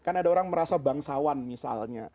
kalau orang merasa bangsawan misalnya